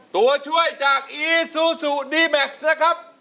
ตัวช่วยจากอีซูซูดีแม็กซ์นะครับ